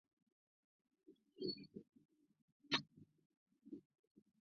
后赴加州硅谷创业。